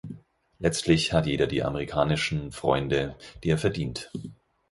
Letztlich hat jeder die amerikanischen Freunde, die er verdient.